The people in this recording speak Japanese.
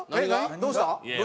どうした？